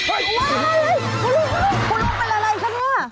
โอ้โฮเป็นอะไรคะเนี่ย